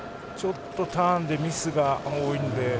ちょっとターンでミスが多いので。